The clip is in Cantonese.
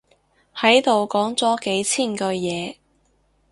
喺度講咗千幾句嘢